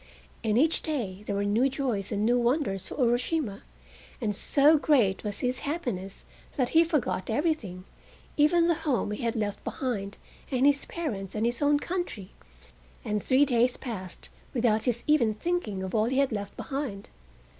And each day there were new joys and new wonders for Urashima, and so great was his happiness that he forgot everything, even the home he had left behind and his parents and his own country, and three days passed without his even thinking of all he had left behind.